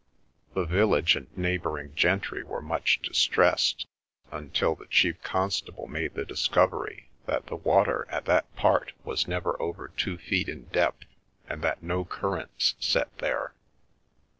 The village and neighbouring gentry were much distressed, until the chief constable made the discovery that the water at that part was never over two feet in depth and that no currents set there.